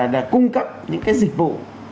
để cung cấp những cái dịch vụ